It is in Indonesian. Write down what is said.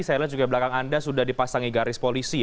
saya lihat juga belakang anda sudah dipasangi garis polisi